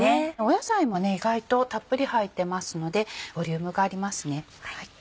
野菜も意外とたっぷり入ってますのでボリュームがありますね。